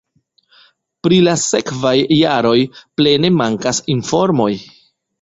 Pri la sekvaj jaroj plene mankas informoj.